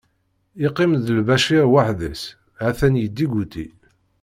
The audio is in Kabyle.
Yeqqim-d Lbacir waḥd-s, ha-t-an yeddiguti.